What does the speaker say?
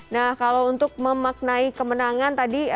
nah kalau untuk memaknai kemenangan tadi